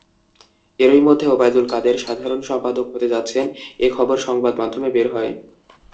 এরই মধ্যে ওবায়দুল কাদের সাধারণ সম্পাদক হতে যাচ্ছেন—এ খবর সংবাদমাধ্যমে বের হয়।